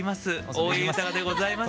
大江裕でございます。